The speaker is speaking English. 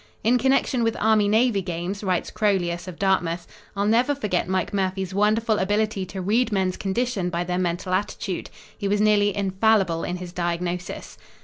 "In connection with Army Navy games," writes Crolius of Dartmouth, "I'll never forget Mike Murphy's wonderful ability to read men's condition by their 'mental attitude.' He was nearly infallible in his diagnosis."